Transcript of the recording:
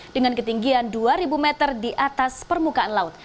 dengan ketinggian dua ribu meter di atas permukaan laut